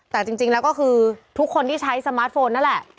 แต่จริงแล้วก็คือทุกคนที่ใช้สมาร์ทโฟนนั่นแหละ